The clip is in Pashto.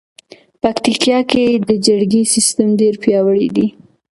پکتیکا کې د جرګې سیستم ډېر پیاوړی دی.